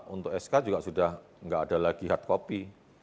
untuk sk juga sudah tidak ada lagi hard copy